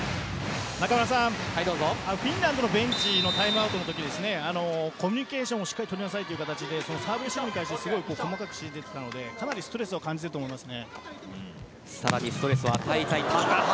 フィンランドのベンチのタイムアウトのときコミュニケーションをしっかり取りなさいという形で細かく指示が出ていたのでかなりストレスを感じていると思います。